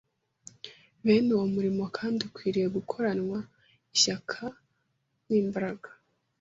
Bene uwo murimo kandi ukwiriye gukoranwa ishyaka n’imbaraga.